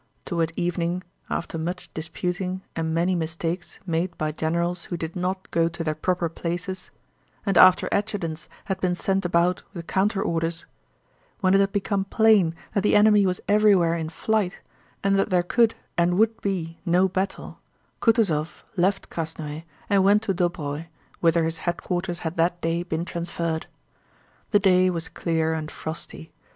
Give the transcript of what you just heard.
Toward evening—after much disputing and many mistakes made by generals who did not go to their proper places, and after adjutants had been sent about with counterorders—when it had become plain that the enemy was everywhere in flight and that there could and would be no battle, Kutúzov left Krásnoe and went to Dóbroe whither his headquarters had that day been transferred. The day was clear and frosty.